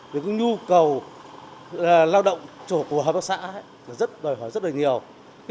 vì nhu cầu lao động chỗ của hợp tác xã đòi hỏi rất nhiều